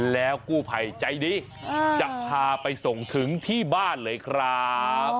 แล้วกู้ภัยใจดีจะพาไปส่งถึงที่บ้านเลยครับ